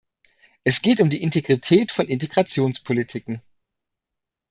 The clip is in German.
Es geht um die Integrität von Integrationspolitiken.